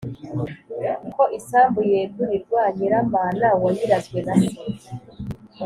ko isambu yegurirwa nyiramana wayirazwe na se